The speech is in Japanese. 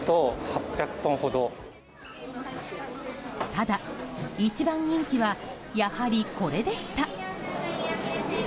ただ、一番人気はやはり、これでした。